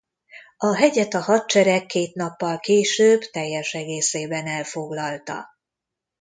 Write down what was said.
A hegyet a hadsereg két nappal később teljes egészében elfoglalta.